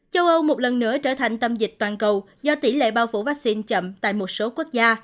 châu âu một lần nữa trở thành tâm dịch toàn cầu do tỷ lệ bao phủ vaccine chậm tại một số quốc gia